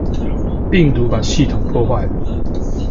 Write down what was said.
病毒把系統破壞了。